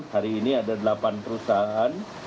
hari ini ada delapan perusahaan